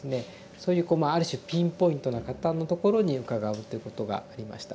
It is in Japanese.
そういうある種ピンポイントな方のところに伺うっていうことがありました。